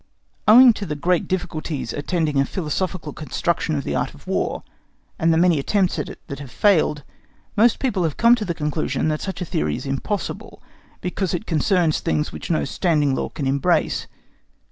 Owing to the great difficulties attending a philosophical construction of the Art of War, and the many attempts at it that have failed, most people have come to the conclusion that such a theory is impossible, because it concerns things which no standing law can embrace.